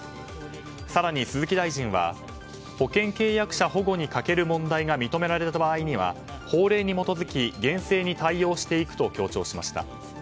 更に鈴木大臣は保険契約者保護に欠ける問題が認められた場合には法令に基づき厳正に対応していくと強調しました。